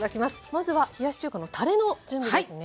まずは冷やし中華のたれの準備ですね。